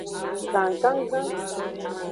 Gangangan.